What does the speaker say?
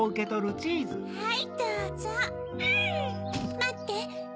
まって。